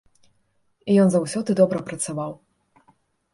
І ён заўсёды добра працаваў.